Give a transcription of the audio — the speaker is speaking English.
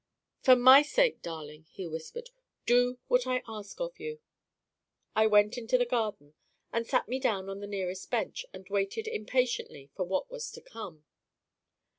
'For my sake, darling,' he whispered, 'do what I ask of you.' I went into the garden and sat me down on the nearest bench, and waited impatiently for what was to come.